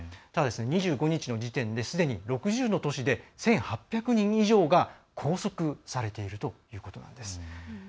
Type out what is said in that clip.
ただ、２５日の時点ですでに６０の都市で１８００人以上が拘束されているということなんです。